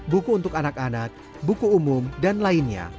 buku untuk anak anak buku umum dan lainnya